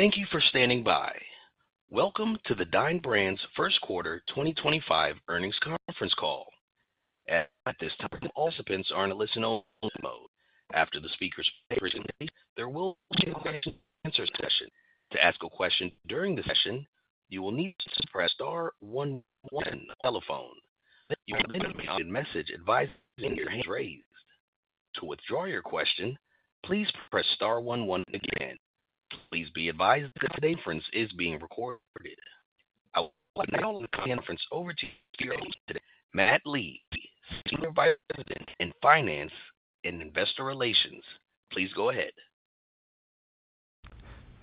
Thank you for standing by. Welcome to the Dine Brands First Quarter 2025 Earnings Conference Call. At this time, participants are in a listen-only mode. After the speaker's presentation, there will be a question-and-answer session. To ask a question during the session, you will need to press star one one on the telephone. You will then be prompted a message advising your hand is raised. To withdraw your question, please press star one one again. Please be advised that this conference is being recorded. I will now hand the conference over to your host today, Matt Lee, Senior Vice President of Finance and Investor Relations. Please go ahead.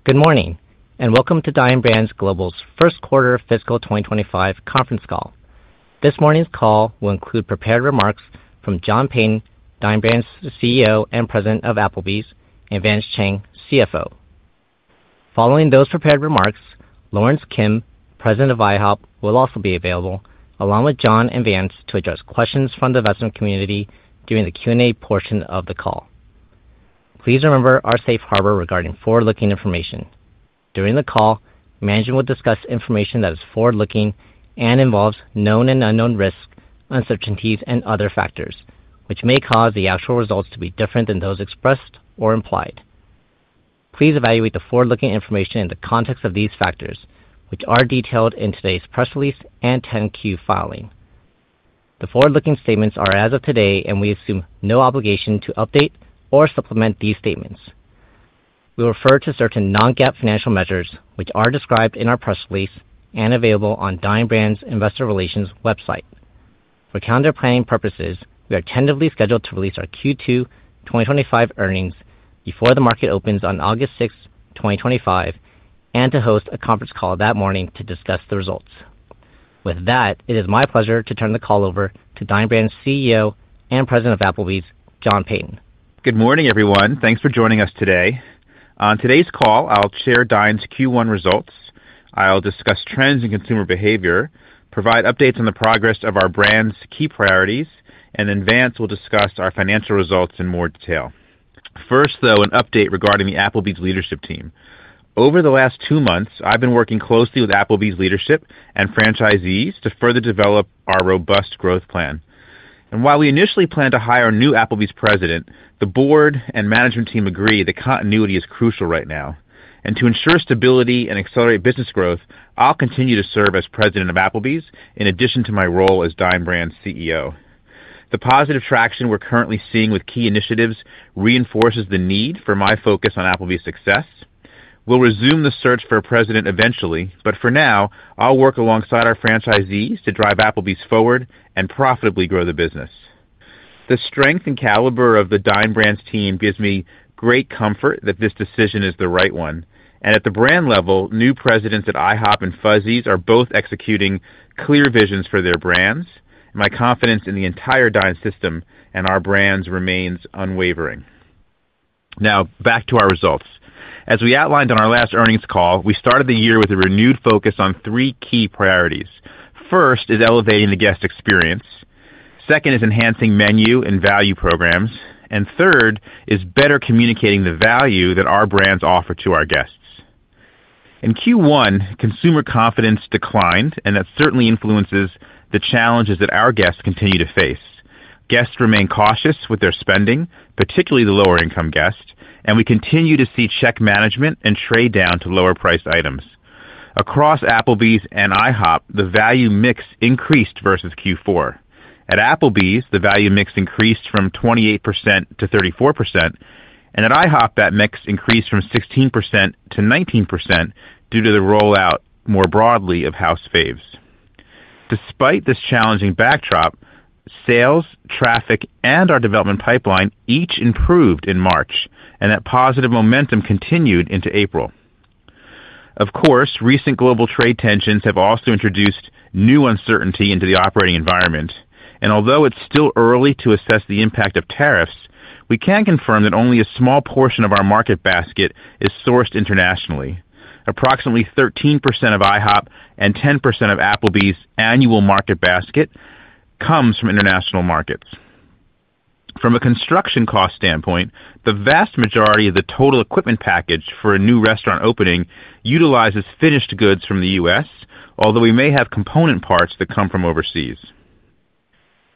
Good morning and welcome to Dine Brands Global's First Quarter Fiscal 2025 Conference Call. This morning's call will include prepared remarks from John Peyton, Dine Brands CEO and President of Applebee's, and Vance Chang, CFO. Following those prepared remarks, Lawrence Kim, President of IHOP, will also be available along with John and Vance to address questions from the investment community during the Q&A portion of the call. Please remember our safe harbor regarding forward-looking information. During the call, management will discuss information that is forward-looking and involves known and unknown risks, uncertainties, and other factors, which may cause the actual results to be different than those expressed or implied. Please evaluate the forward-looking information in the context of these factors, which are detailed in today's press release and 10-Q filing. The forward-looking statements are, as of today, and we assume no obligation to update or supplement these statements. We refer to certain non-GAAP financial measures, which are described in our press release and available on Dine Brands Investor Relations website. For calendar planning purposes, we are tentatively scheduled to release our Q2 2025 earnings before the market opens on August 6, 2025, and to host a conference call that morning to discuss the results. With that, it is my pleasure to turn the call over to Dine Brands CEO and President of Applebee's, John Peyton. Good morning, everyone. Thanks for joining us today. On today's call, I'll share Dine's Q1 results. I'll discuss trends in consumer behavior, provide updates on the progress of our brand's key priorities, and Vance will discuss our financial results in more detail. First, though, an update regarding the Applebee's leadership team. Over the last two months, I've been working closely with Applebee's leadership and franchisees to further develop our robust growth plan. While we initially plan to hire a new Applebee's president, the board and management team agree that continuity is crucial right now. To ensure stability and accelerate business growth, I'll continue to serve as President of Applebee's in addition to my role as Dine Brands CEO. The positive traction we're currently seeing with key initiatives reinforces the need for my focus on Applebee's success. We'll resume the search for a president eventually, but for now, I'll work alongside our franchisees to drive Applebee's forward and profitably grow the business. The strength and caliber of the Dine Brands team gives me great comfort that this decision is the right one. At the brand level, new presidents at IHOP and Fuzzy's are both executing clear visions for their brands. My confidence in the entire Dine system and our brands remains unwavering. Now, back to our results. As we outlined on our last earnings call, we started the year with a renewed focus on three key priorities. First is elevating the guest experience. Second is enhancing menu and value programs. Third is better communicating the value that our brands offer to our guests. In Q1, consumer confidence declined, and that certainly influences the challenges that our guests continue to face. Guests remain cautious with their spending, particularly the lower-income guest, and we continue to see check management and trade down to lower-priced items. Across Applebee's and IHOP, the value mix increased versus Q4. At Applebee's, the value mix increased from 28% to 34%, and at IHOP, that mix increased from 16% to 19% due to the rollout more broadly of house faves. Despite this challenging backdrop, sales, traffic, and our development pipeline each improved in March, and that positive momentum continued into April. Of course, recent global trade tensions have also introduced new uncertainty into the operating environment. Although it is still early to assess the impact of tariffs, we can confirm that only a small portion of our market basket is sourced internationally. Approximately 13% of IHOP and 10% of Applebee's annual market basket comes from international markets. From a construction cost standpoint, the vast majority of the total equipment package for a new restaurant opening utilizes finished goods from the US, although we may have component parts that come from overseas.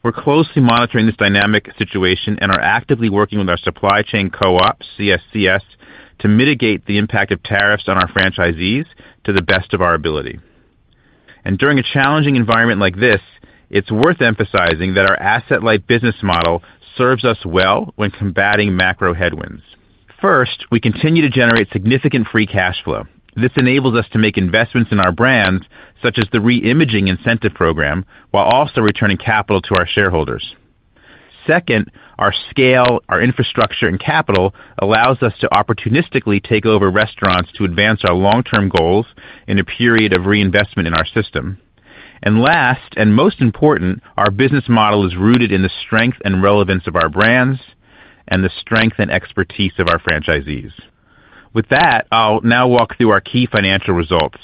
We're closely monitoring this dynamic situation and are actively working with our supply chain co-op, CSCS, to mitigate the impact of tariffs on our franchisees to the best of our ability. During a challenging environment like this, it's worth emphasizing that our asset-light business model serves us well when combating macro headwinds. First, we continue to generate significant free cash flow. This enables us to make investments in our brands, such as the reimaging incentive program, while also returning capital to our shareholders. Second, our scale, our infrastructure, and capital allows us to opportunistically take over restaurants to advance our long-term goals in a period of reinvestment in our system. Last, and most important, our business model is rooted in the strength and relevance of our brands and the strength and expertise of our franchisees. With that, I'll now walk through our key financial results.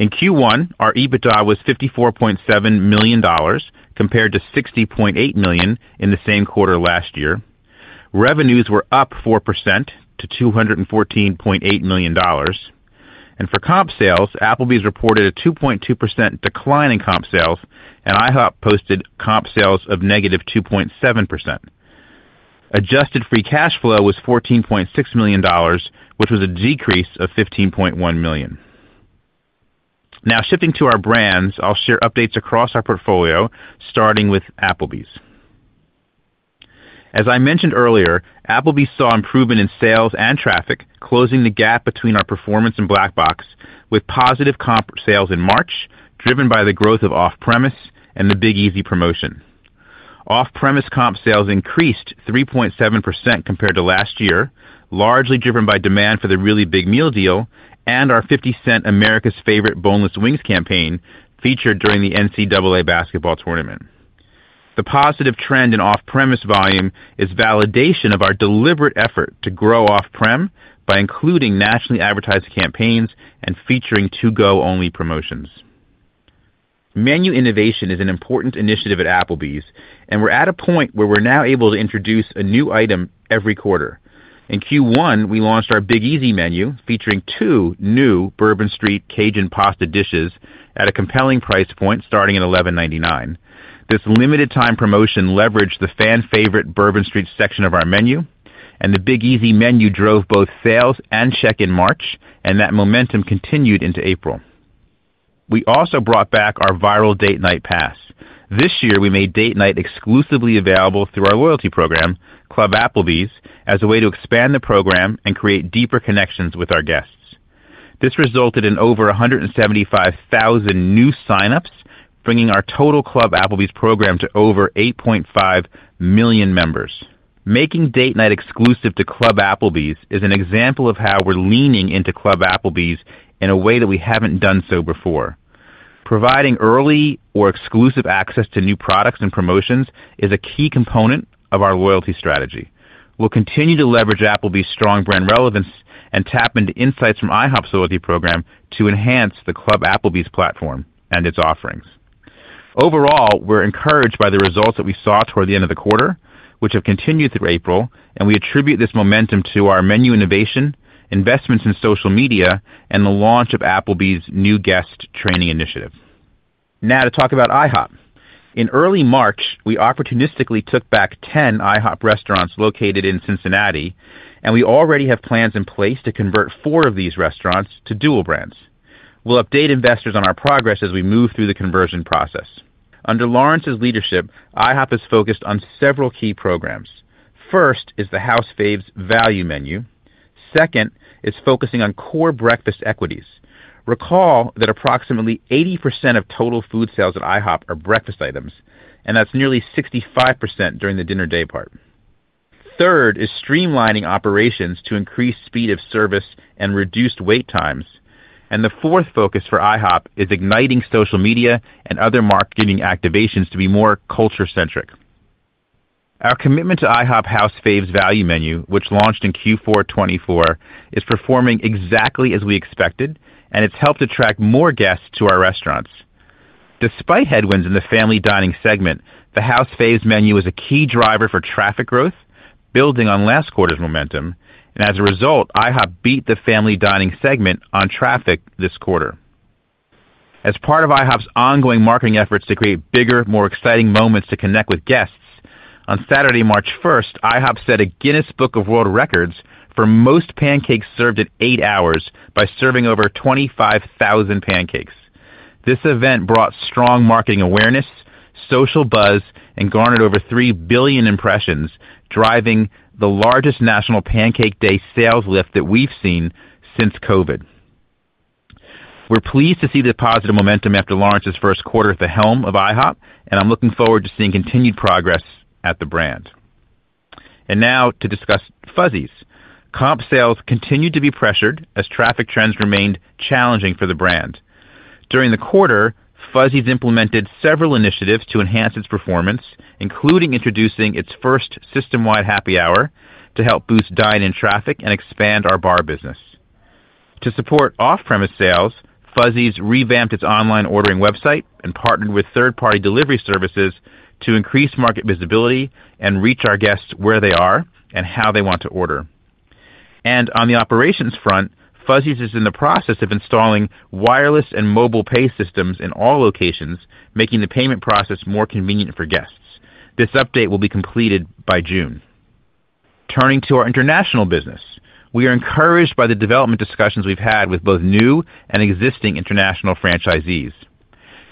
In Q1, our EBITDA was $54.7 million compared to $60.8 million in the same quarter last year. Revenues were up 4% to $214.8 million. For comp sales, Applebee's reported a 2.2% decline in comp sales, and IHOP posted comp sales of -2.7%. Adjusted free cash flow was $14.6 million, which was a decrease of $15.1 million. Now, shifting to our brands, I'll share updates across our portfolio, starting with Applebee's. As I mentioned earlier, Applebee's saw improvement in sales and traffic, closing the gap between our performance and Black Box with positive comp sales in March, driven by the growth of off-premise and the Big Easy promotion. Off-premise comp sales increased 3.7% compared to last year, largely driven by demand for the Really Big Meal deal and our 50-cent America's Favorite Boneless Wings campaign featured during the NCAA basketball tournament. The positive trend in off-premise volume is validation of our deliberate effort to grow off-prem by including nationally advertised campaigns and featuring to-go-only promotions. Menu innovation is an important initiative at Applebee's, and we're at a point where we're now able to introduce a new item every quarter. In Q1, we launched our Big Easy menu featuring two new Bourbon Street Cajun pasta dishes at a compelling price point starting at $11.99. This limited-time promotion leveraged the fan-favorite Bourbon Street section of our menu, and the Big Easy menu drove both sales and check in March, and that momentum continued into April. We also brought back our viral Date Night Pass. This year, we made date night exclusively available through our loyalty program, Club Applebee's, as a way to expand the program and create deeper connections with our guests. This resulted in over 175,000 new sign-ups, bringing our total Club Applebee's program to over 8.5 million members. Making date night exclusive to Club Applebee's is an example of how we're leaning into Club Applebee's in a way that we haven't done so before. Providing early or exclusive access to new products and promotions is a key component of our loyalty strategy. We'll continue to leverage Applebee's strong brand relevance and tap into insights from IHOP's loyalty program to enhance the Club Applebee's platform and its offerings. Overall, we're encouraged by the results that we saw toward the end of the quarter, which have continued through April, and we attribute this momentum to our menu innovation, investments in social media, and the launch of Applebee's new guest training initiative. Now, to talk about IHOP. In early March, we opportunistically took back 10 IHOP restaurants located in Cincinnati, and we already have plans in place to convert four of these restaurants to dual brands. We'll update investors on our progress as we move through the conversion process. Under Lawrence's leadership, IHOP has focused on several key programs. First is the House Faves value menu. Second is focusing on core breakfast equities. Recall that approximately 80% of total food sales at IHOP are breakfast items, and that's nearly 65% during the dinner day part. Third is streamlining operations to increase speed of service and reduced wait times. The fourth focus for IHOP is igniting social media and other marketing activations to be more culture-centric. Our commitment to IHOP House Faves value menu, which launched in Q4 2024, is performing exactly as we expected, and it's helped attract more guests to our restaurants. Despite headwinds in the family dining segment, the House Faves menu is a key driver for traffic growth, building on last quarter's momentum. As a result, IHOP beat the family dining segment on traffic this quarter. As part of IHOP's ongoing marketing efforts to create bigger, more exciting moments to connect with guests, on Saturday, March 1st IHOP set a Guinness World Records for most pancakes served in eight hours by serving over 25,000 pancakes. This event brought strong marketing awareness, social buzz, and garnered over 3 billion impressions, driving the largest national pancake day sales lift that we've seen since COVID. We're pleased to see the positive momentum after Lawrence's first quarter at the helm of IHOP, and I'm looking forward to seeing continued progress at the brand. Now to discuss Fuzzy's. Comp sales continued to be pressured as traffic trends remained challenging for the brand. During the quarter, Fuzzy's implemented several initiatives to enhance its performance, including introducing its first system-wide happy hour to help boost dine-in traffic and expand our bar business. To support off-premise sales, Fuzzy's revamped its online ordering website and partnered with third-party delivery services to increase market visibility and reach our guests where they are and how they want to order. On the operations front, Fuzzy's is in the process of installing wireless and mobile pay systems in all locations, making the payment process more convenient for guests. This update will be completed by June. Turning to our international business, we are encouraged by the development discussions we have had with both new and existing international franchisees.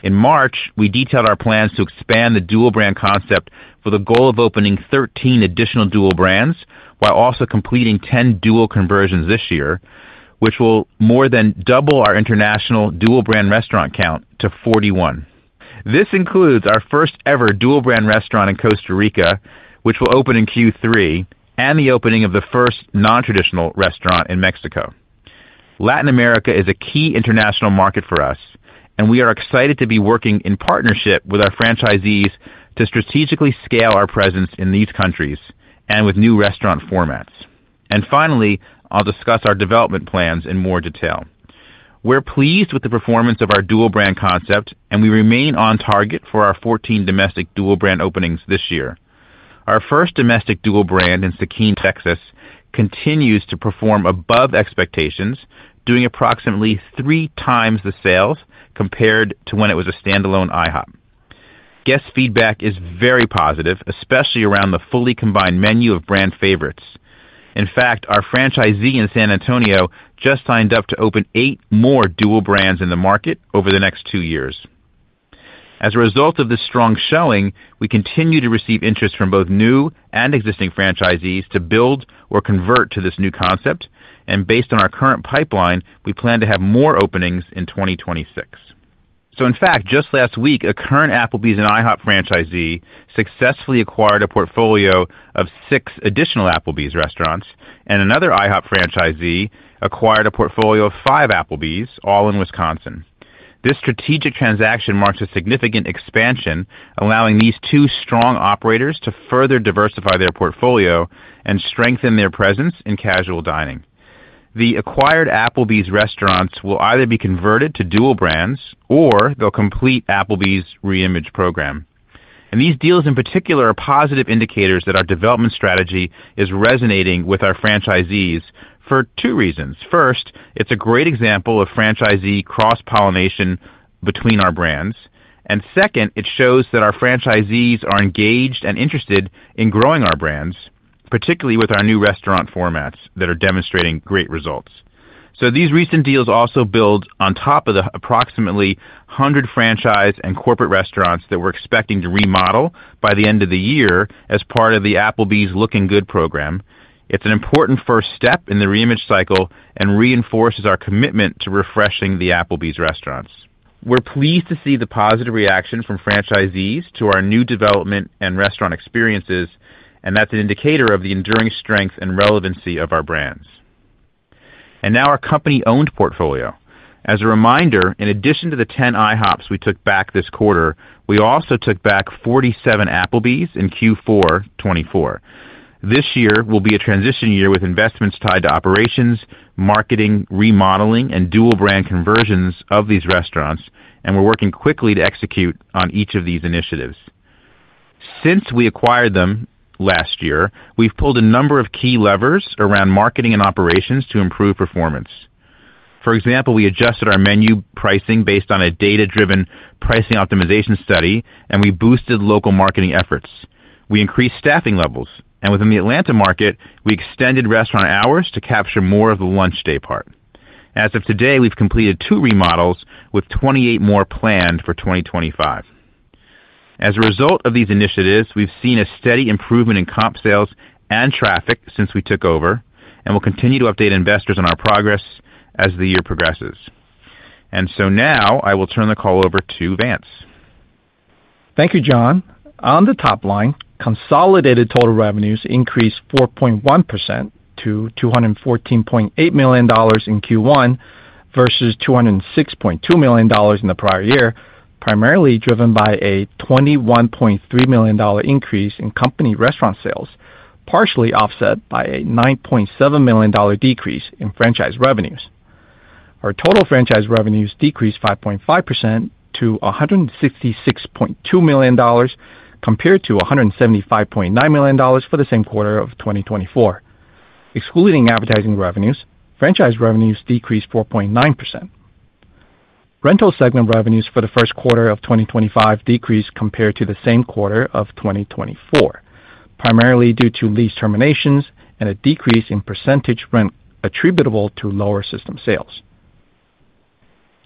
In March, we detailed our plans to expand the dual brand concept with the goal of opening 13 additional dual brands while also completing 10 dual conversions this year, which will more than double our international dual brand restaurant count to 41. This includes our first-ever dual brand restaurant in Costa Rica, which will open in Q3, and the opening of the first non-traditional restaurant in Mexico. Latin America is a key international market for us, and we are excited to be working in partnership with our franchisees to strategically scale our presence in these countries and with new restaurant formats. Finally, I'll discuss our development plans in more detail. We're pleased with the performance of our dual brand concept, and we remain on target for our 14 domestic dual brand openings this year. Our first domestic dual brand in Schertz, Texas, continues to perform above expectations, doing approximately 3x the sales compared to when it was a standalone IHOP. Guest feedback is very positive, especially around the fully combined menu of brand favorites. In fact, our franchisee in San Antonio just signed up to open eight more dual brands in the market over the next two years. As a result of this strong showing, we continue to receive interest from both new and existing franchisees to build or convert to this new concept. Based on our current pipeline, we plan to have more openings in 2026. In fact, just last week, a current Applebee's and IHOP franchisee successfully acquired a portfolio of six additional Applebee's restaurants, and another IHOP franchisee acquired a portfolio of five Applebee's, all in Wisconsin. This strategic transaction marks a significant expansion, allowing these two strong operators to further diversify their portfolio and strengthen their presence in casual dining. The acquired Applebee's restaurants will either be converted to dual brands or they'll complete Applebee's reimage program. These deals, in particular, are positive indicators that our development strategy is resonating with our franchisees for two reasons. First, it's a great example of franchisee cross-pollination between our brands. It shows that our franchisees are engaged and interested in growing our brands, particularly with our new restaurant formats that are demonstrating great results. These recent deals also build on top of the approximately 100 franchise and corporate restaurants that we are expecting to remodel by the end of the year as part of the Applebee's Looking Good program. It is an important first step in the reimage cycle and reinforces our commitment to refreshing the Applebee's restaurants. We are pleased to see the positive reaction from franchisees to our new development and restaurant experiences, and that is an indicator of the enduring strength and relevancy of our brands. Now our company-owned portfolio. As a reminder, in addition to the 10 IHOPs we took back this quarter, we also took back 47 Applebee's in Q4 2024. This year will be a transition year with investments tied to operations, marketing, remodeling, and dual brand conversions of these restaurants, and we're working quickly to execute on each of these initiatives. Since we acquired them last year, we've pulled a number of key levers around marketing and operations to improve performance. For example, we adjusted our menu pricing based on a data-driven pricing optimization study, and we boosted local marketing efforts. We increased staffing levels, and within the Atlanta market, we extended restaurant hours to capture more of the lunch day part. As of today, we've completed two remodels with 28 more planned for 2025. As a result of these initiatives, we've seen a steady improvement in comp sales and traffic since we took over, and we'll continue to update investors on our progress as the year progresses. I will turn the call over to Vance. Thank you, John. On the top line, consolidated total revenues increased 4.1% to $214.8 million in Q1 versus $206.2 million in the prior year, primarily driven by a $21.3 million increase in company restaurant sales, partially offset by a $9.7 million decrease in franchise revenues. Our total franchise revenues decreased 5.5% to $166.2 million compared to $175.9 million for the same quarter of 2024. Excluding advertising revenues, franchise revenues decreased 4.9%. Rental segment revenues for the first quarter of 2025 decreased compared to the same quarter of 2024, primarily due to lease terminations and a decrease in percentage rent attributable to lower system sales.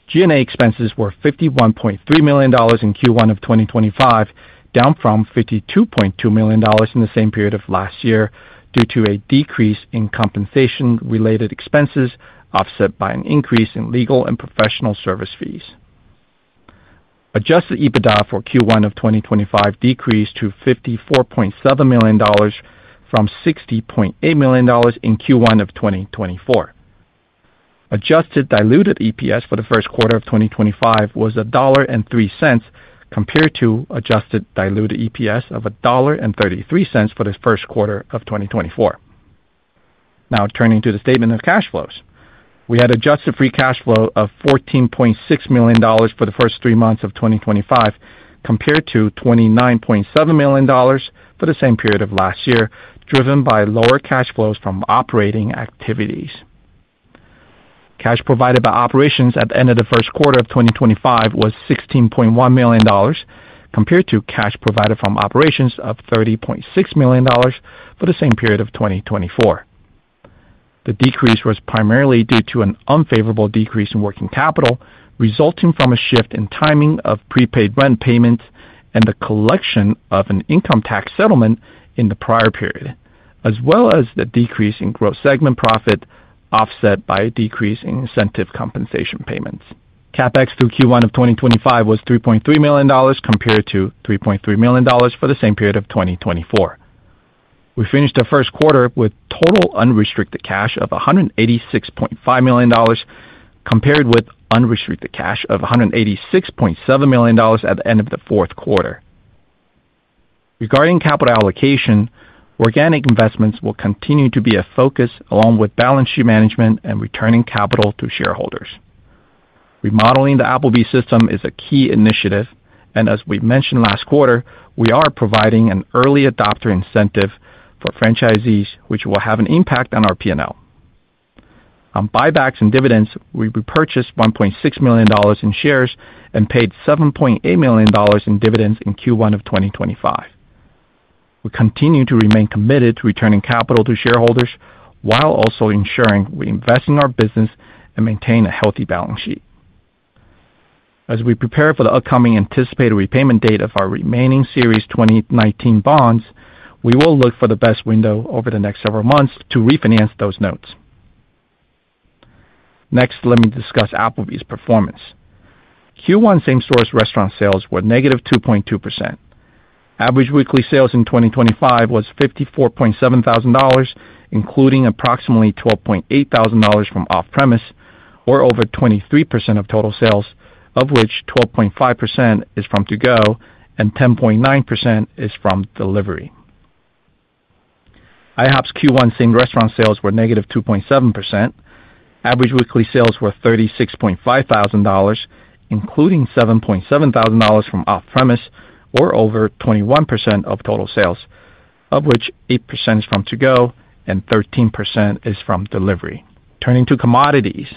G&A expenses were $51.3 million in Q1 of 2025, down from $52.2 million in the same period of last year due to a decrease in compensation-related expenses offset by an increase in legal and professional service fees. Adjusted EBITDA for Q1 of 2025 decreased to $54.7 million from $60.8 million in Q1 of 2024. Adjusted diluted EPS for the first quarter of 2025 was $1.03 compared to adjusted diluted EPS of $1.33 for the first quarter of 2024. Now turning to the statement of cash flows. We had adjusted free cash flow of $14.6 million for the first three months of 2025 compared to $29.7 million for the same period of last year, driven by lower cash flows from operating activities. Cash provided by operations at the end of the first quarter of 2025 was $16.1 million compared to cash provided from operations of $30.6 million for the same period of 2024. The decrease was primarily due to an unfavorable decrease in working capital resulting from a shift in timing of prepaid rent payments and the collection of an income tax settlement in the prior period, as well as the decrease in gross segment profit offset by a decrease in incentive compensation payments. CapEx through Q1 of 2025 was $3.3 million compared to $3.3 million for the same period of 2024. We finished the first quarter with total unrestricted cash of $186.5 million compared with unrestricted cash of $186.7 million at the end of the fourth quarter. Regarding capital allocation, organic investments will continue to be a focus along with balance sheet management and returning capital to shareholders. Remodeling the Applebee's system is a key initiative, and as we mentioned last quarter, we are providing an early adopter incentive for franchisees, which will have an impact on our P&L. On buybacks and dividends, we repurchased $1.6 million in shares and paid $7.8 million in dividends in Q1 of 2025. We continue to remain committed to returning capital to shareholders while also ensuring we invest in our business and maintain a healthy balance sheet. As we prepare for the upcoming anticipated repayment date of our remaining series 2019 bonds, we will look for the best window over the next several months to refinance those notes. Next, let me discuss Applebee's performance. Q1 same-store restaurant sales were -2.2%. Average weekly sales in 2025 was $54.7 thousand, including approximately $12.8 thousand from off-premise, or over 23% of total sales, of which 12.5% is from to-go and 10.9% is from delivery. IHOP's Q1 same restaurant sales were negative 2.7%. Average weekly sales were $36,500, including $7,700 from off-premise, or over 21% of total sales, of which 8% is from to-go and 13% is from delivery. Turning to commodities,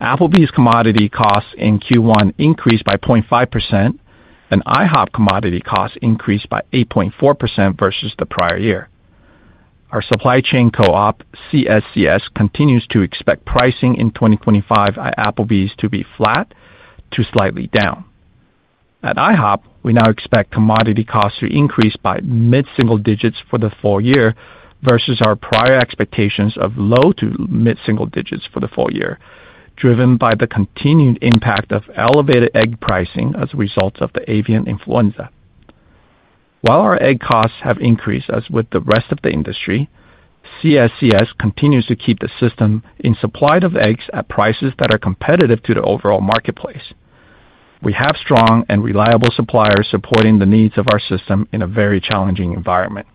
Applebee's commodity costs in Q1 increased by 0.5%, and IHOP commodity costs increased by 8.4% versus the prior year. Our supply chain co-op, CSCS, continues to expect pricing in 2025 at Applebee's to be flat to slightly down. At IHOP, we now expect commodity costs to increase by mid-single digits for the full year versus our prior expectations of low to mid-single digits for the full year, driven by the continued impact of elevated egg pricing as a result of the avian influenza. While our egg costs have increased as with the rest of the industry, CSCS continues to keep the system in supply of eggs at prices that are competitive to the overall marketplace. We have strong and reliable suppliers supporting the needs of our system in a very challenging environment.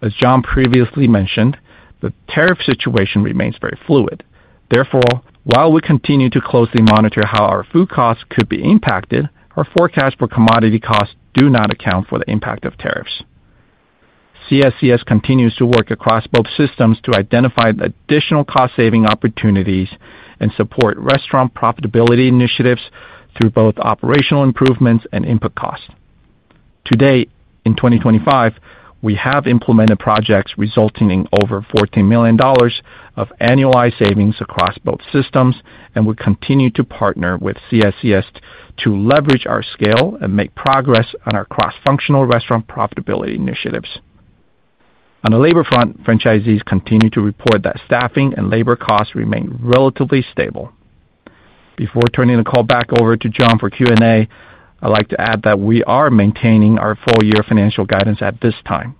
As John previously mentioned, the tariff situation remains very fluid. Therefore, while we continue to closely monitor how our food costs could be impacted, our forecast for commodity costs does not account for the impact of tariffs. CSCS continues to work across both systems to identify additional cost-saving opportunities and support restaurant profitability initiatives through both operational improvements and input costs. Today, in 2025, we have implemented projects resulting in over $14 million of annualized savings across both systems, and we continue to partner with CSCS to leverage our scale and make progress on our cross-functional restaurant profitability initiatives. On the labor front, franchisees continue to report that staffing and labor costs remain relatively stable. Before turning the call back over to John for Q&A, I'd like to add that we are maintaining our full-year financial guidance at this time.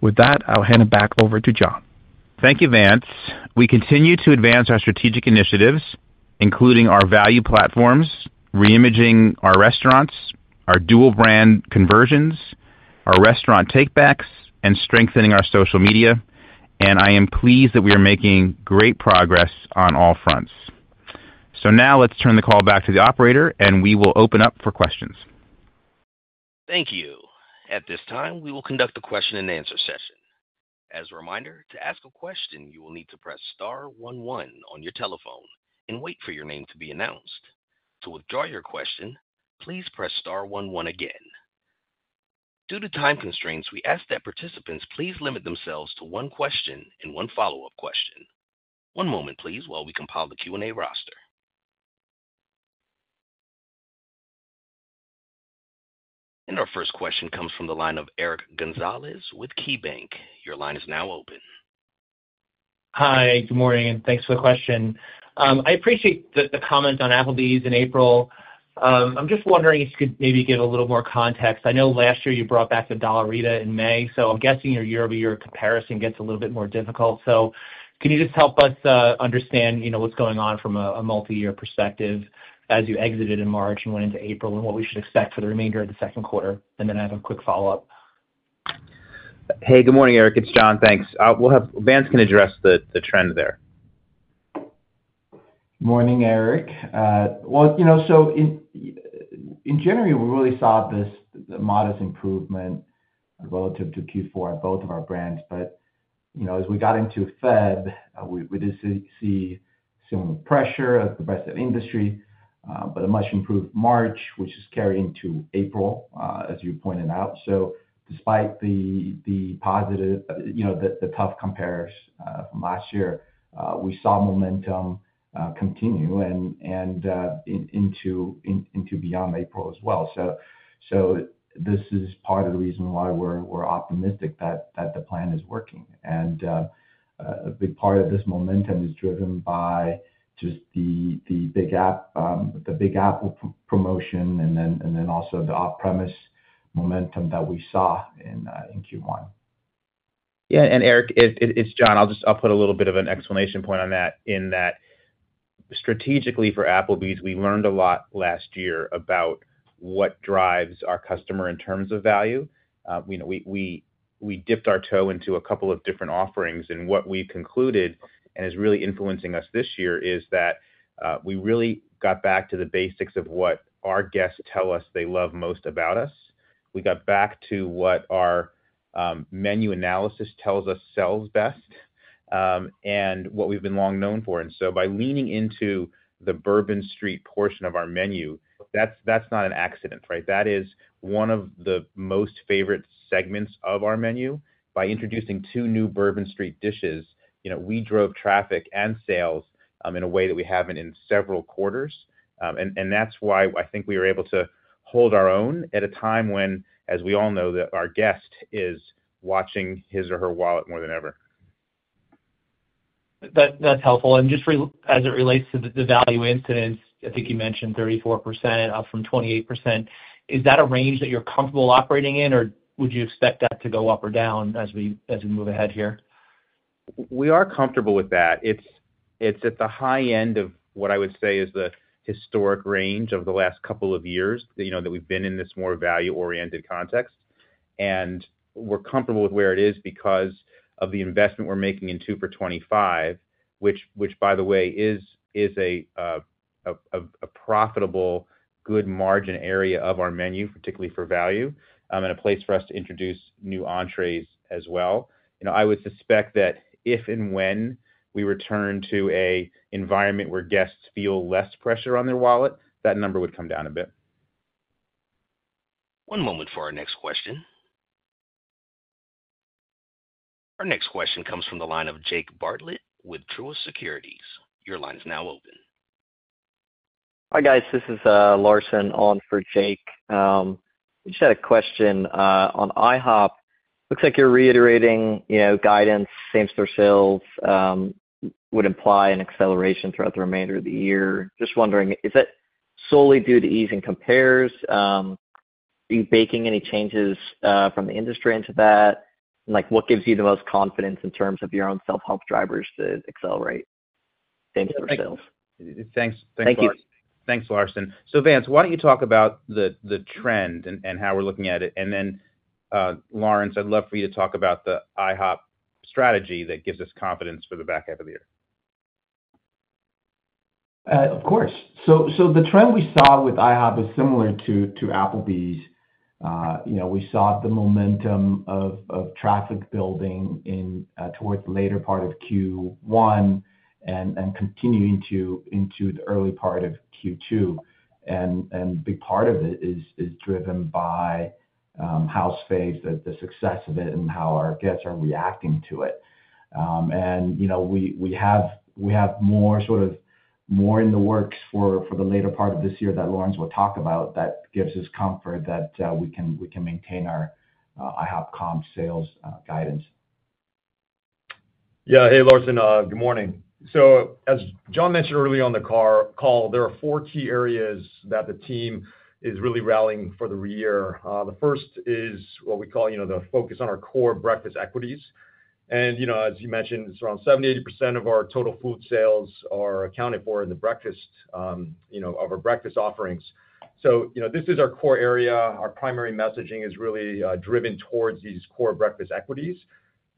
With that, I'll hand it back over to John. Thank you, Vance. We continue to advance our strategic initiatives, including our value platforms, reimaging our restaurants, our dual brand conversions, our restaurant takebacks, and strengthening our social media, and I am pleased that we are making great progress on all fronts. Now let's turn the call back to the operator, and we will open up for questions. Thank you. At this time, we will conduct the question-and-answer session. As a reminder, to ask a question, you will need to press star one one on your telephone and wait for your name to be announced. To withdraw your question, please press star one one again. Due to time constraints, we ask that participants please limit themselves to one question and one follow-up question. One moment, please, while we compile the Q&A roster. Our first question comes from the line of with Eric Gonzalez KeyBank. Your line is now open. Hi, good morning, and thanks for the question. I appreciate the comment on Applebee's in April. I'm just wondering if you could maybe give a little more context. I know last year you brought back the DOLLARITA in May, so I'm guessing your year-over-year comparison gets a little bit more difficult. Can you just help us understand what's going on from a multi-year perspective as you exited in March and went into April and what we should expect for the remainder of the second quarter? I have a quick follow-up. Hey, good morning, Eric. It's John. Thanks. Vance can address the trend there. Morning, Eric. In January, we really saw this modest improvement relative to Q4 at both of our brands. As we got into February, we did see some pressure at the rest of the industry, but a much-improved March, which has carried into April, as you pointed out. Despite the tough compares from last year, we saw momentum continue and into beyond April as well. This is part of the reason why we're optimistic that the plan is working. A big part of this momentum is driven by just the big Apple promotion and then also the off-premise momentum that we saw in Q1. Yeah. Eric, it's John. I'll put a little bit of an explanation point on that. In that, strategically for Applebee's, we learned a lot last year about what drives our customer in terms of value. We dipped our toe into a couple of different offerings, and what we concluded and is really influencing us this year is that we really got back to the basics of what our guests tell us they love most about us. We got back to what our menu analysis tells us sells best and what we've been long known for. By leaning into the Bourbon Street portion of our menu, that's not an accident, right? That is one of the most favorite segments of our menu. By introducing two new Bourbon Street dishes, we drove traffic and sales in a way that we haven't in several quarters. That is why I think we were able to hold our own at a time when, as we all know, our guest is watching his or her wallet more than ever. That is helpful. Just as it relates to the value incidence, I think you mentioned 34% up from 28%. Is that a range that you are comfortable operating in, or would you expect that to go up or down as we move ahead here? We are comfortable with that. It is at the high end of what I would say is the historic range of the last couple of years that we have been in this more value-oriented context. We're comfortable with where it is because of the investment we're making in two for 2025, which, by the way, is a profitable, good margin area of our menu, particularly for value, and a place for us to introduce new entrees as well. I would suspect that if and when we return to an environment where guests feel less pressure on their wallet, that number would come down a bit. One moment for our next question. Our next question comes from the line of Jake Bartlett with Truist Securities. Your line is now open. Hi guys, this is Larson on for Jake. Just had a question on IHOP. Looks like you're reiterating guidance, same-store sales would imply an acceleration throughout the remainder of the year. Just wondering, is that solely due to ease and compares? Are you baking any changes from the industry into that? What gives you the most confidence in terms of your own self-help drivers to accelerate same-store sales? Thanks. Thanks, Larson. Vance, why do you not talk about the trend and how we are looking at it? Lawrence, I would love for you to talk about the IHOP strategy that gives us confidence for the back half of the year. Of course. The trend we saw with IHOP is similar to Applebee's. We saw the momentum of traffic building towards the later part of Q1 and continuing into the early part of Q2. A big part of it is driven by how safe the success of it and how our guests are reacting to it. We have more in the works for the later part of this year that Lawrence will talk about that gives us comfort that we can maintain our IHOP comp sales guidance. Yeah. Hey, Lawrence, good morning. As John mentioned early on the call, there are four key areas that the team is really rallying for the year. The first is what we call the focus on our core breakfast equities. As you mentioned, around 70% - 80% of our total food sales are accounted for in the breakfast of our breakfast offerings. This is our core area. Our primary messaging is really driven towards these core breakfast equities.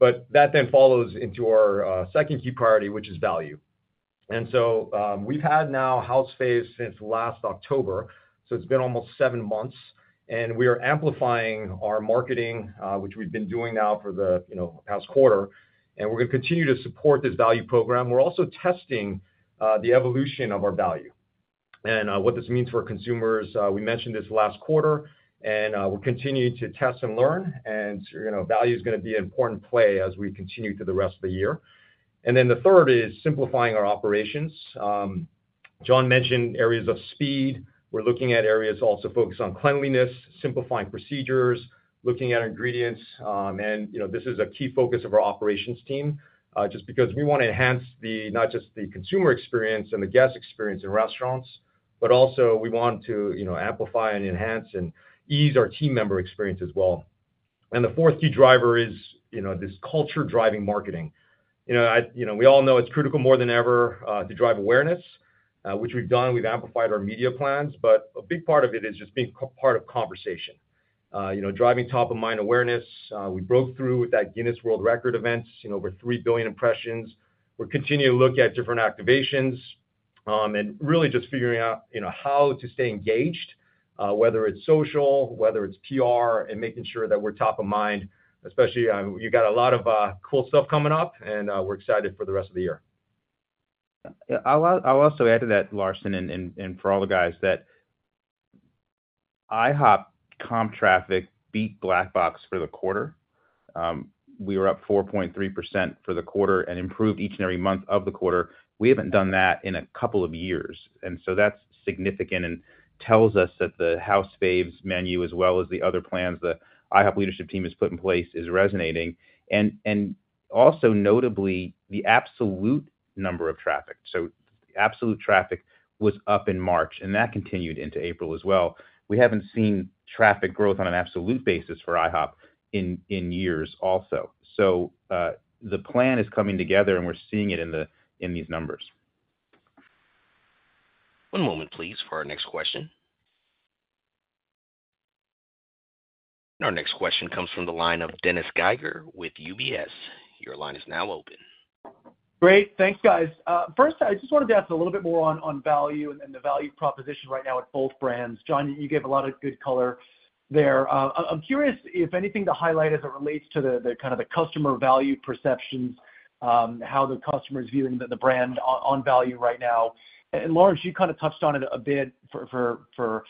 That then follows into our second key priority, which is value. We have had now House Faves since last October, so it has been almost seven months. We are amplifying our marketing, which we have been doing now for the past quarter. We are going to continue to support this value program. We are also testing the evolution of our value. What this means for consumers, we mentioned this last quarter, and we are continuing to test and learn. Value is going to be an important play as we continue through the rest of the year. The third is simplifying our operations. John mentioned areas of speed. We are looking at areas also focused on cleanliness, simplifying procedures, looking at ingredients. This is a key focus of our operations team, just because we want to enhance not just the consumer experience and the guest experience in restaurants, but also we want to amplify and enhance and ease our team member experience as well. The fourth key driver is this culture-driving marketing. We all know it's critical more than ever to drive awareness, which we've done. We've amplified our media plans, but a big part of it is just being part of conversation, driving top-of-mind awareness. We broke through with that Guinness World Records event and over 3 billion impressions. We're continuing to look at different activations and really just figuring out how to stay engaged, whether it's social, whether it's PR, and making sure that we're top of mind, especially you got a lot of cool stuff coming up, and we're excited for the rest of the year. I'll also add to that, Larson, and for all the guys that IHOP comp traffic beat Black Box for the quarter. We were up 4.3% for the quarter and improved each and every month of the quarter. We haven't done that in a couple of years. That is significant and tells us that the House Faves menu, as well as the other plans that the IHOP leadership team has put in place, is resonating. Also notably, the absolute number of traffic. Absolute traffic was up in March, and that continued into April as well. We have not seen traffic growth on an absolute basis for IHOP in years also. The plan is coming together, and we are seeing it in these numbers. One moment, please, for our next question. Our next question comes from the line of Dennis Geiger with UBS. Your line is now open. Great. Thanks, guys. First, I just wanted to ask a little bit more on value and the value proposition right now at both brands. John, you gave a lot of good color there. I'm curious, if anything, to highlight as it relates to the kind of customer value perceptions, how the customer is viewing the brand on value right now. And Lawrence, you kind of touched on it a bit for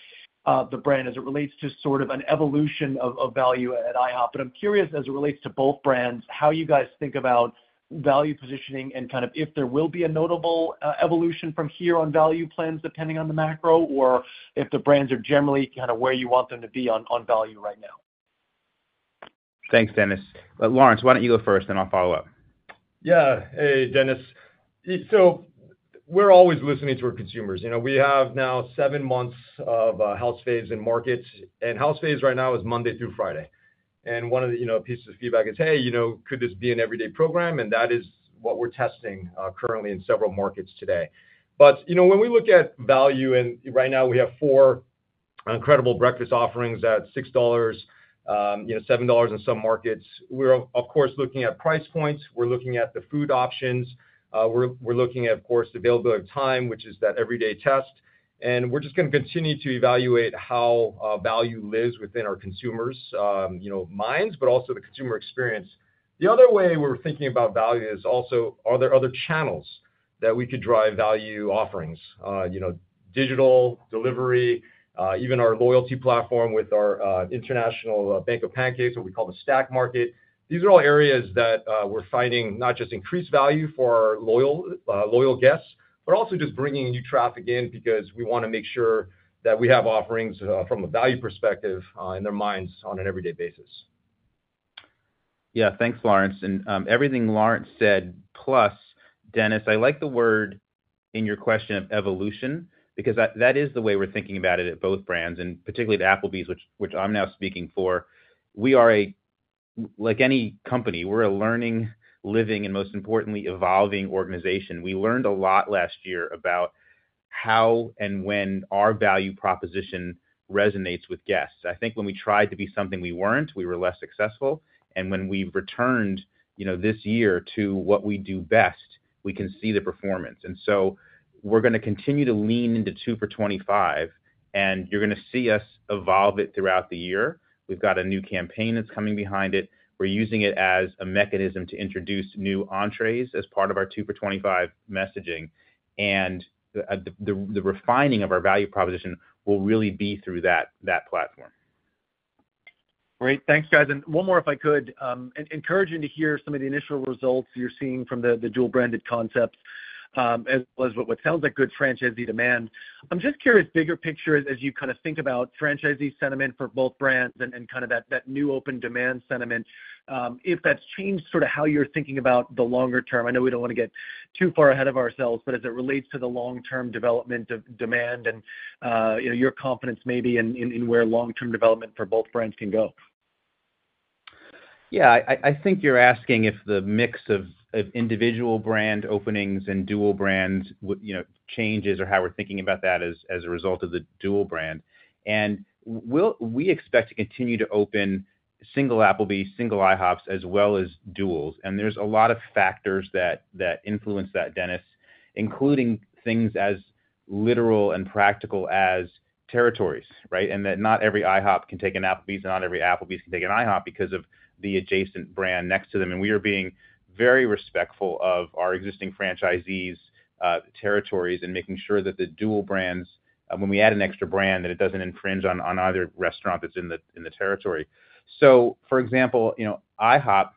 the brand as it relates to sort of an evolution of value at IHOP. But I'm curious, as it relates to both brands, how you guys think about value positioning and kind of if there will be a notable evolution from here on value plans depending on the macro or if the brands are generally kind of where you want them to be on value right now. Thanks, Dennis. Lawrence, why don't you go first, and I'll follow up. Yeah. Hey, Dennis. So we're always listening to our consumers. We have now seven months of House Faves in markets. And House Faves right now is Monday through Friday. One of the pieces of feedback is, "Hey, could this be an everyday program?" That is what we're testing currently in several markets today. When we look at value, right now we have four incredible breakfast offerings at $6, $7 in some markets. We're, of course, looking at price points. We're looking at the food options. We're looking at, of course, availability of time, which is that everyday test. We're just going to continue to evaluate how value lives within our consumers' minds, but also the consumer experience. The other way we're thinking about value is also, are there other channels that we could drive value offerings? Digital delivery, even our loyalty platform with our International Bank of Pancakes, what we call the Stack Market. These are all areas that we're fighting not just increased value for our loyal guests, but also just bringing new traffic in because we want to make sure that we have offerings from a value perspective in their minds on an everyday basis. Yeah. Thanks, Lawrence. And everything Lawrence said, plus Dennis, I like the word in your question of evolution because that is the way we're thinking about it at both brands, and particularly at Applebee's, which I'm now speaking for. We are like any company. We're a learning, living, and most importantly, evolving organization. We learned a lot last year about how and when our value proposition resonates with guests. I think when we tried to be something we were not, we were less successful. And when we've returned this year to what we do best, we can see the performance. We're going to continue to lean into 2025, and you're going to see us evolve it throughout the year. We've got a new campaign that's coming behind it. We're using it as a mechanism to introduce new entrees as part of our two for 25 messaging. The refining of our value proposition will really be through that platform. Great. Thanks, guys. One more, if I could, encouraging to hear some of the initial results you're seeing from the dual-branded concepts as well as what sounds like good franchisee demand. I'm just curious, bigger picture, as you kind of think about franchisee sentiment for both brands and kind of that new open demand sentiment, if that's changed sort of how you're thinking about the longer term. I know we don't want to get too far ahead of ourselves, but as it relates to the long-term development of demand and your confidence maybe in where long-term development for both brands can go. Yeah. I think you're asking if the mix of individual brand openings and dual brand changes or how we're thinking about that as a result of the dual brand. We expect to continue to open single Applebee's, single IHOPs, as well as duals. There are a lot of factors that influence that, Dennis, including things as literal and practical as territories, right? Not every IHOP can take an Applebee's, and not every Applebee's can take an IHOP because of the adjacent brand next to them. We are being very respectful of our existing franchisees' territories and making sure that the dual brands, when we add an extra brand, that it does not infringe on either restaurant that is in the territory. For example, IHOP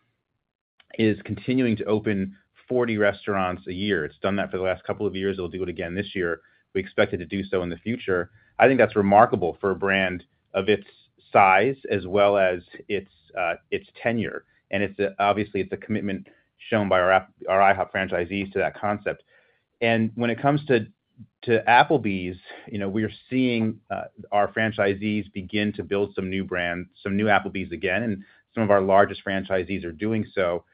is continuing to open 40 restaurants a year. It has done that for the last couple of years. It will do it again this year. We expect it to do so in the future. I think that is remarkable for a brand of its size as well as its tenure. Obviously, it is a commitment shown by our IHOP franchisees to that concept. When it comes to Applebee's, we are seeing our franchisees begin to build some new brands, some new Applebee's again, and some of our largest franchisees are doing so.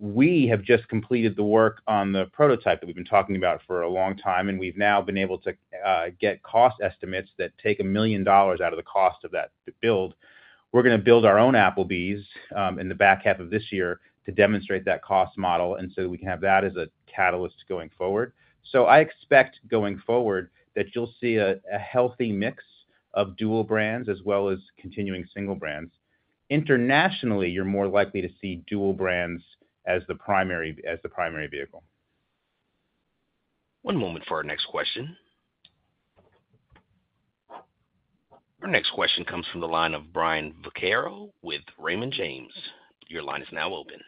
We have just completed the work on the prototype that we've been talking about for a long time, and we've now been able to get cost estimates that take a million dollars out of the cost of that to build. We're going to build our own Applebee's in the back half of this year to demonstrate that cost model and so that we can have that as a catalyst going forward. I expect going forward that you'll see a healthy mix of dual brands as well as continuing single brands. Internationally, you're more likely to see dual brands as the primary vehicle. One moment for our next question. Our next question comes from the line of Brian Vaccaro with Raymond James. Your line is now open.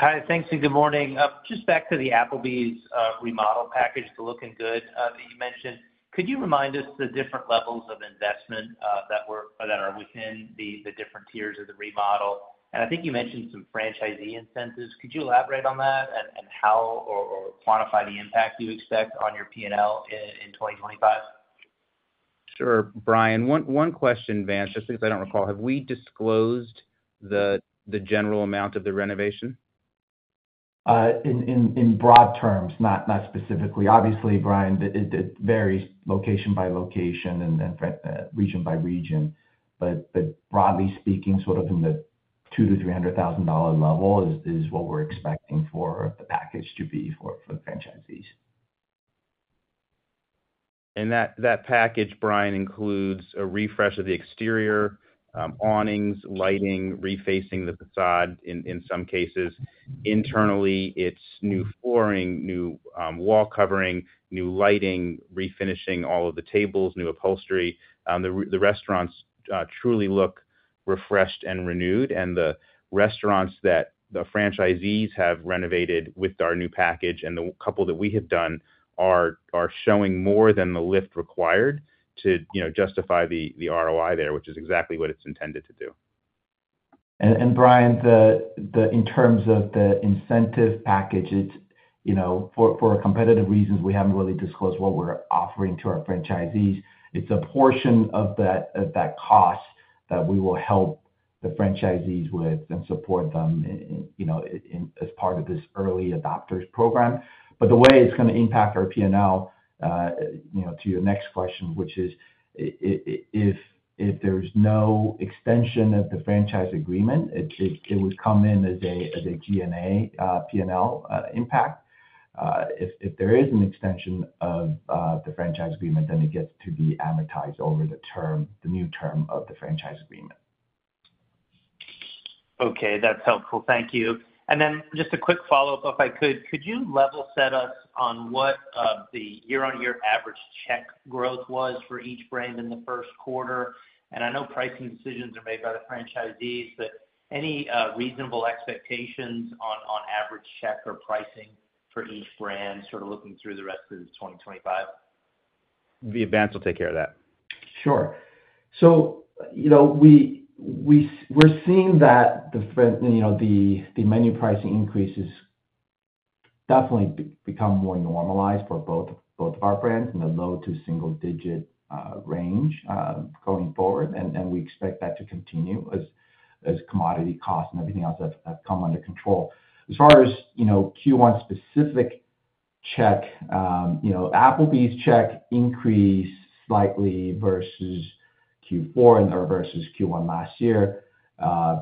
Hi. Thanks and good morning. Just back to the Applebee's remodel package, the looking good that you mentioned. Could you remind us the different levels of investment that are within the different tiers of the remodel? I think you mentioned some franchisee incentives. Could you elaborate on that and how or quantify the impact you expect on your P&L in 2025? Sure. Brian, one question, Vance, just because I do not recall. Have we disclosed the general amount of the renovation? In broad terms, not specifically. Obviously, Brian, it varies location by location and region by region. Broadly speaking, sort of in the $200,000 - $300,000 level is what we are expecting for the package to be for the franchisees. That package, Brian, includes a refresh of the exterior, awnings, lighting, refacing the facade in some cases. Internally, it is new flooring, new wall covering, new lighting, refinishing all of the tables, new upholstery. The restaurants truly look refreshed and renewed. The restaurants that the franchisees have renovated with our new package and the couple that we have done are showing more than the lift required to justify the ROI there, which is exactly what it is intended to do. Brian, in terms of the incentive package, for competitive reasons, we have not really disclosed what we are offering to our franchisees. It is a portion of that cost that we will help the franchisees with and support them as part of this early adopters program. The way it is going to impact our P&L to your next question, which is if there is no extension of the franchise agreement, it would come in as a G&A P&L impact. If there is an extension of the franchise agreement, then it gets to be amortized over the new term of the franchise agreement. Okay. That is helpful. Thank you. Just a quick follow-up, if I could, could you level set us on what the year-on-year average check growth was for each brand in the first quarter? I know pricing decisions are made by the franchisees, but any reasonable expectations on average check or pricing for each brand sort of looking through the rest of 2025? Vance will take care of that. Sure. We are seeing that the menu pricing increase has definitely become more normalized for both of our brands in the low to single-digit range going forward. We expect that to continue as commodity costs and everything else have come under control. As far as Q1 specific check, Applebee's check increased slightly versus Q4 versus Q1 last year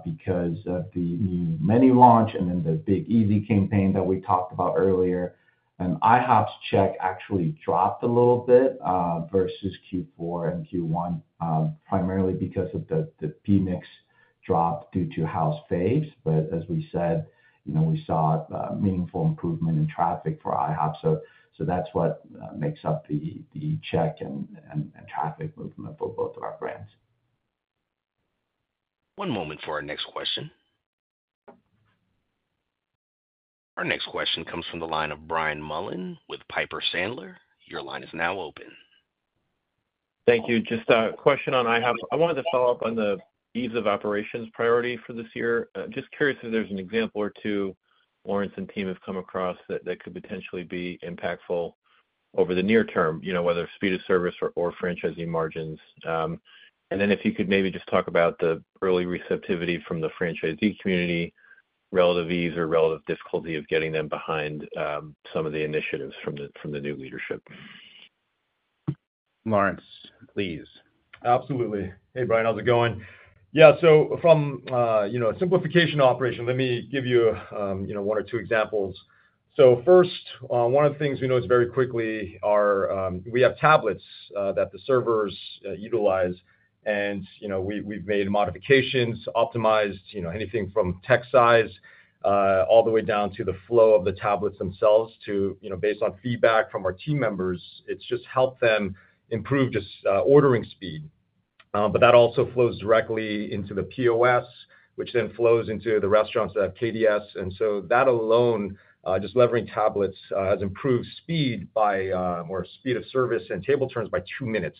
because of the new menu launch and then the Big Easy campaign that we talked about earlier. IHOP's check actually dropped a little bit versus Q4 and Q1, primarily because of the PMIX drop due to House Faves. As we said, we saw meaningful improvement in traffic for IHOP. That is what makes up the check and traffic movement for both of our brands. One moment for our next question. Our next question comes from the line of Brian Mullen with Piper Sandler. Your line is now open. Thank you. Just a question on IHOP. I wanted to follow up on the ease of operations priority for this year. Just curious if there's an example or two Lawrence and team have come across that could potentially be impactful over the near term, whether speed of service or franchisee margins. If you could maybe just talk about the early receptivity from the franchisee community, relative ease or relative difficulty of getting them behind some of the initiatives from the new leadership. Lawrence, please. Absolutely. Hey, Brian. How's it going? Yeah. From a simplification operation, let me give you one or two examples. First, one of the things we noticed very quickly is we have tablets that the servers utilize. We've made modifications, optimized anything from text size all the way down to the flow of the tablets themselves, based on feedback from our team members. It has just helped them improve ordering speed. That also flows directly into the POS, which then flows into the restaurants that have KDS. That alone, just leveraging tablets, has improved speed or speed of service and table turns by two minutes.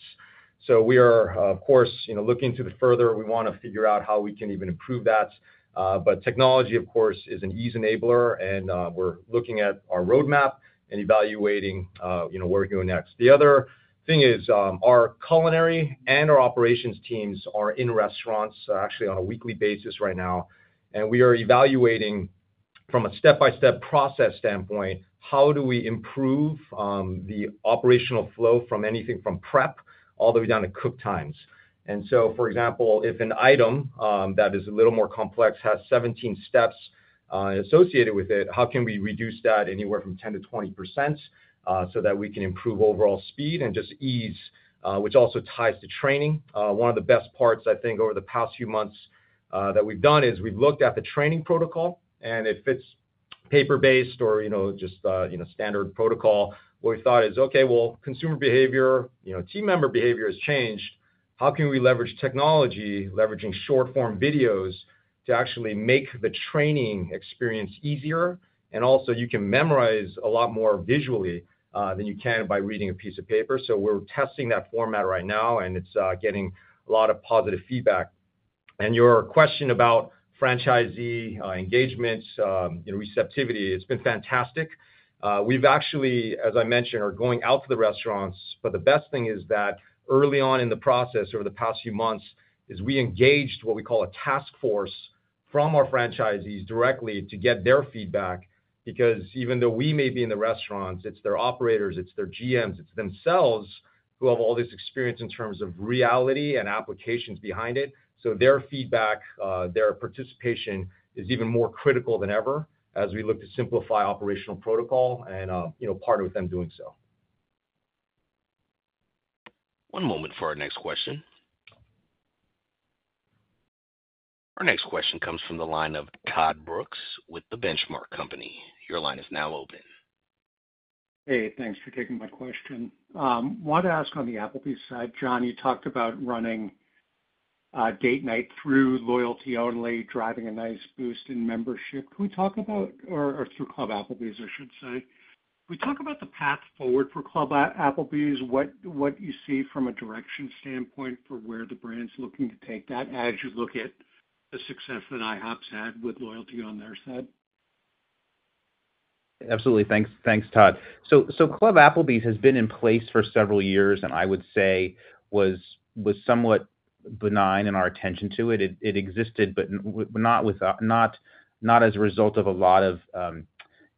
We are, of course, looking to the further. We want to figure out how we can even improve that. Technology, of course, is an ease enabler. We are looking at our roadmap and evaluating where we are going next. The other thing is our culinary and our operations teams are in restaurants actually on a weekly basis right now. We are evaluating from a step-by-step process standpoint, how do we improve the operational flow from anything from prep all the way down to cook times. For example, if an item that is a little more complex has 17 steps associated with it, how can we reduce that anywhere from 10-20% so that we can improve overall speed and just ease, which also ties to training. One of the best parts, I think, over the past few months that we've done is we've looked at the training protocol. If it's paper-based or just standard protocol, what we thought is, okay, well, consumer behavior, team member behavior has changed. How can we leverage technology, leveraging short-form videos to actually make the training experience easier? Also, you can memorize a lot more visually than you can by reading a piece of paper. We are testing that format right now, and it's getting a lot of positive feedback. Your question about franchisee engagement, receptivity, it's been fantastic. We've actually, as I mentioned, are going out to the restaurants. The best thing is that early on in the process over the past few months is we engaged what we call a task force from our franchisees directly to get their feedback because even though we may be in the restaurants, it's their operators, it's their GMs, it's themselves who have all this experience in terms of reality and applications behind it. Their feedback, their participation is even more critical than ever as we look to simplify operational protocol and partner with them doing so. One moment for our next question. Our next question comes from the line of Todd Brooks with the Benchmark Company. Your line is now open. Hey, thanks for taking my question. I wanted to ask on the Applebee's side, John, you talked about running date night through loyalty only, driving a nice boost in membership. Can we talk about, or through Club Applebee's, I should say? Can we talk about the path forward for Club Applebee's, what you see from a direction standpoint for where the brand's looking to take that as you look at the success that IHOP's had with loyalty on their side? Absolutely. Thanks, Todd. Club Applebee's has been in place for several years and I would say was somewhat benign in our attention to it. It existed, but not as a result of a lot of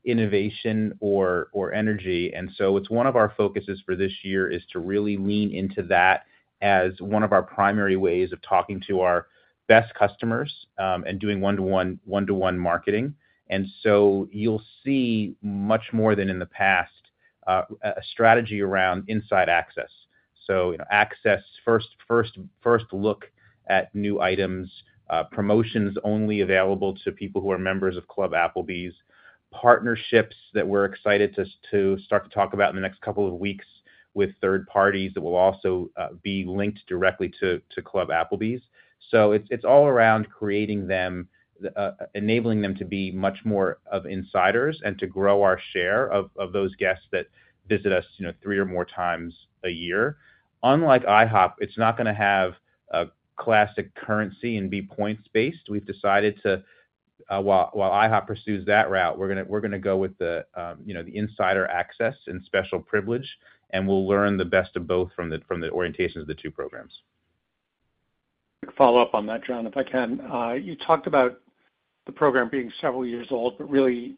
innovation or energy. It is one of our focuses for this year to really lean into that as one of our primary ways of talking to our best customers and doing one-to-one marketing. You will see much more than in the past a strategy around inside access. Access, first look at new items, promotions only available to people who are members of Club Applebee's, partnerships that we're excited to start to talk about in the next couple of weeks with third parties that will also be linked directly to Club Applebee's. It is all around creating them, enabling them to be much more of insiders and to grow our share of those guests that visit us three or more times a year. Unlike IHOP, it is not going to have a classic currency and be points-based. We have decided to, while IHOP pursues that route, we are going to go with the insider access and special privilege, and we will learn the best of both from the orientations of the two programs. Follow up on that, John, if I can. You talked about the program being several years old, but really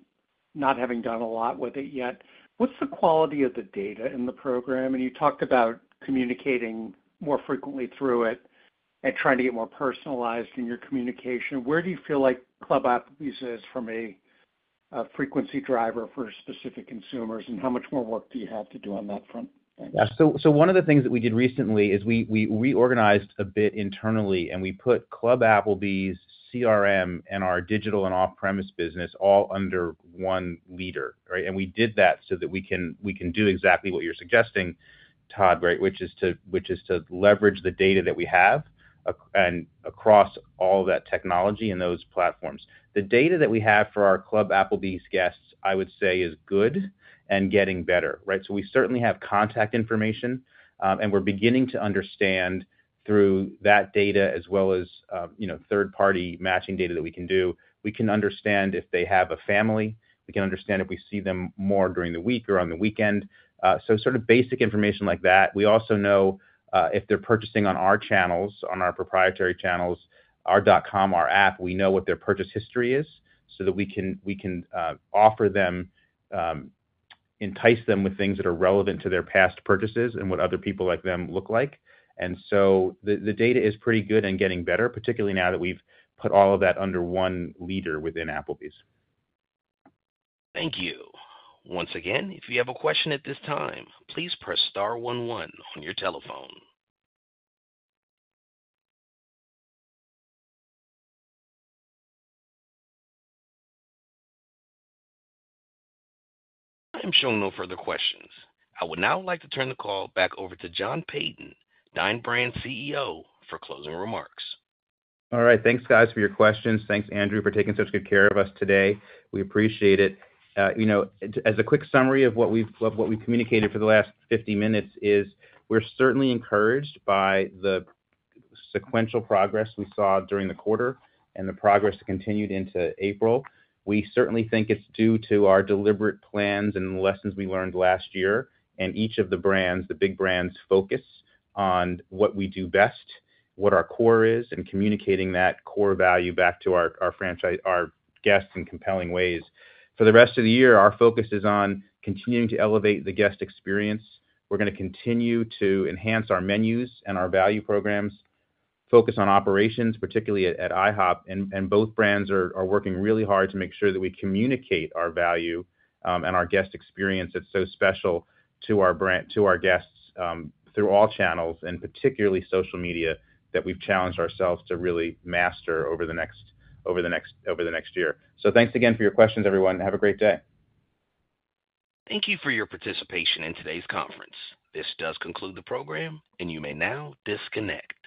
not having done a lot with it yet. What's the quality of the data in the program? You talked about communicating more frequently through it and trying to get more personalized in your communication. Where do you feel like Club Applebee's is from a frequency driver for specific consumers? How much more work do you have to do on that front? Yeah. One of the things that we did recently is we reorganized a bit internally, and we put Club Applebee's, CRM, and our digital and off-premise business all under one leader. We did that so that we can do exactly what you're suggesting, Todd, which is to leverage the data that we have across all that technology and those platforms. The data that we have for our Club Applebee's guests, I would say, is good and getting better. We certainly have contact information, and we're beginning to understand through that data as well as third-party matching data that we can do. We can understand if they have a family. We can understand if we see them more during the week or on the weekend. Sort of basic information like that. We also know if they're purchasing on our channels, on our proprietary channels, our .com, our app, we know what their purchase history is so that we can offer them, entice them with things that are relevant to their past purchases and what other people like them look like. The data is pretty good and getting better, particularly now that we've put all of that under one leader within Applebee's. Thank you. Once again, if you have a question at this time, please press star one one on your telephone. I'm showing no further questions. I would now like to turn the call back over to John Peyton, Dine Brands CEO, for closing remarks. All right. Thanks, guys, for your questions. Thanks, Andrew, for taking such good care of us today. We appreciate it. As a quick summary of what we've communicated for the last 50 minutes is we're certainly encouraged by the sequential progress we saw during the quarter and the progress that continued into April. We certainly think it's due to our deliberate plans and lessons we learned last year and each of the brands, the big brands, focus on what we do best, what our core is, and communicating that core value back to our guests in compelling ways. For the rest of the year, our focus is on continuing to elevate the guest experience. We're going to continue to enhance our menus and our value programs, focus on operations, particularly at IHOP, and both brands are working really hard to make sure that we communicate our value and our guest experience that's so special to our guests through all channels, and particularly social media, that we've challenged ourselves to really master over the next year. Thanks again for your questions, everyone. Have a great day. Thank you for your participation in today's conference. This does conclude the program, and you may now disconnect.